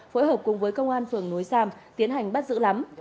phối hợp cùng với công an phường núi sam tiến hành bắt giữ lắm